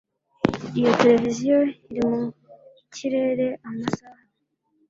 Iyo televiziyo iri mu kirere amasaha